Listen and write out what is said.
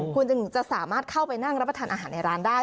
คุณจึงจะสามารถเข้าไปนั่งรับประทานอาหารในร้านได้